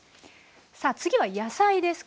さあ次は野菜です。